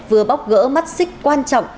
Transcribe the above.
vừa bóc gỡ mắt xích quan trọng